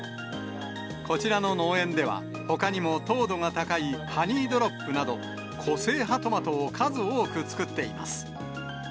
こちらの農園では、ほかにも糖度が高いハニードロップなど、個性派トマトを数多く作っています。